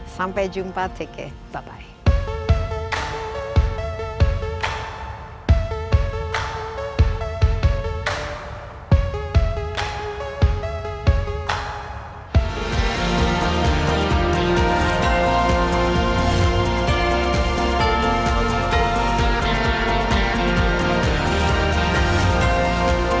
sampai jumpa take care bye bye